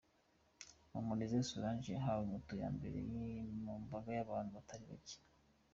Mumporeze Solange yahawe Moto ye imbere y'imbaga y'abantu batari bake.